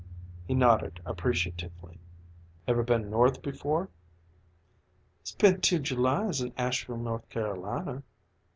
He nodded appreciatively. "Ever been North before?" "Spent two Julys in Asheville, North Carolina."